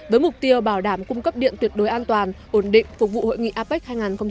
với mục tiêu bảo đảm cung cấp điện tuyệt đối an toàn ổn định phục vụ hội nghị apec hai nghìn hai mươi